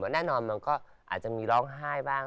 แน่นอนมันก็อาจจะมีร้องไห้บ้าง